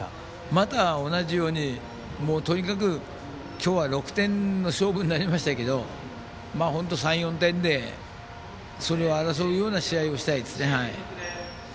また同じように、とにかく今日は６点の勝負になりましたけど３４点で、それを争うような試合がしたいですね。